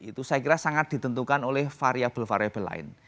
itu saya kira sangat ditentukan oleh variable variable lain